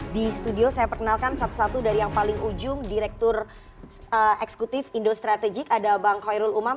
di studio saya perkenalkan satu satu dari yang paling ujung direktur eksekutif indo strategik ada bang khoirul umam